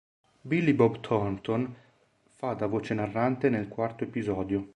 Billy Bob Thornton fa da voce narrante nel quarto episodio.